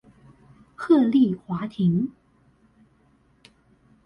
鶴唳華亭